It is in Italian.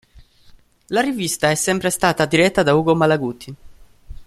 La rivista è sempre stata diretta da Ugo Malaguti.